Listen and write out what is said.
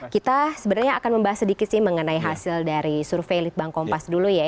kita sebenarnya akan membahas sedikit sih mengenai hasil dari survei litbang kompas dulu ya